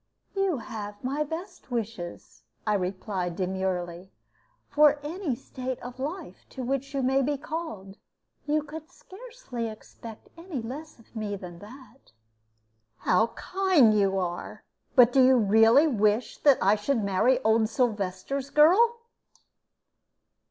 "You have my best wishes," I replied, demurely, "for any state of life to which you may be called. You could scarcely expect any less of me than that." "How kind you are! But do you really wish that I should marry old Sylvester's girl?"